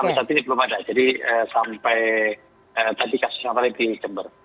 sampai saat ini belum ada jadi sampai tadi kasus yang paling di jember